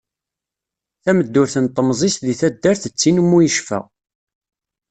Tameddurt n temẓi-s di taddart d ttin mu yecfa.